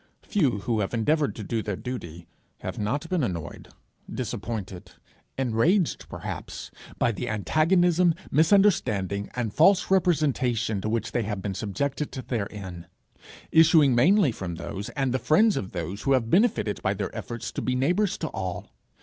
Few who have endeavoured to do their duty, have not been annoyed, disappointed, enraged perhaps, by the antagonism, misunderstanding, and false representation to which they have been subjected therein issuing mainly from those and the friends of those who have benefited by their efforts to be neighbours to all.